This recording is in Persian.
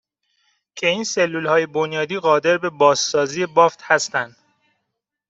که این سلولهای بنیادی قادر به بازسازی بافت هستن